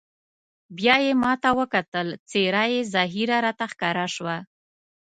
بیا یې ما ته وکتل، څېره یې زهېره راته ښکاره شوه.